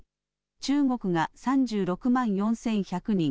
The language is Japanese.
中国が３６万４１００人